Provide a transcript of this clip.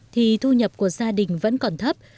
thì thu nhập của gia đình vẫn còn thấp